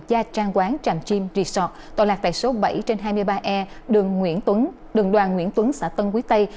gia trang quán tràm chim resort tòa lạc tại số bảy trên hai mươi ba e đường đoàn nguyễn tuấn xã tân quý tây